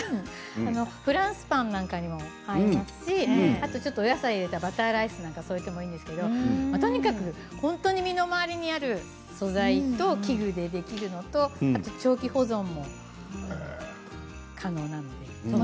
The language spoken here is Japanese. フランスパンなんかにも合いますしちょっとお野菜を入れたバターライスなんかを添えてもいいんですけれども本当に身の回りにある素材と器具でできるのと、長期保存も可能なので。